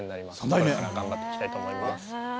これからも頑張っていきたいと思います。